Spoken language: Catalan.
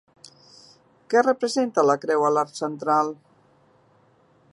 Què representa la creu a l'arc central?